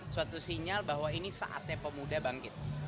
suatu sinyal bahwa ini saatnya pemuda bangkit